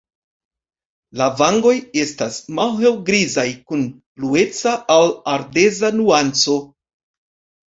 La vangoj estas malhelgrizaj kun blueca al ardeza nuanco.